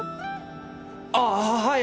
あっはい！